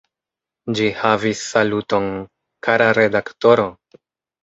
Ĝi havis saluton: "Kara redaktoro!